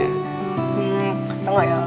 hmm kasi tau gak ya